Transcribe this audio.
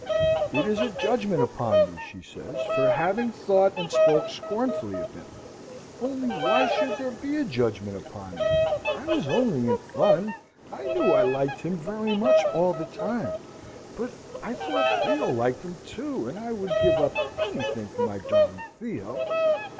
"It is a judgment upon me," she says, "for having thought and spoke scornfully of him. Only, why should there be a judgment upon me? I was only in fun. I knew I liked him very much all the time: but I thought Theo liked him too, and I would give up anything for my darling Theo.